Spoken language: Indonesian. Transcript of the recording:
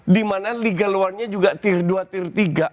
dimana liga luarnya juga tir dua tir tiga